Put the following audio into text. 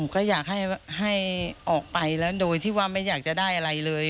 ก็อยากให้ออกไปแล้วโดยที่ว่าไม่อยากจะได้อะไรเลย